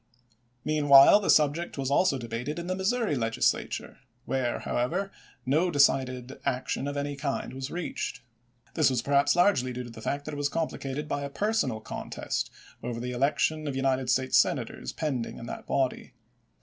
Meanwhile the subject was also debated in the Missouri Legislature, where, however, no decided action of any kind was reached. This was perhaps largely due to the fact that it was complicated by a personal contest over the election of United States Senators pending in that body.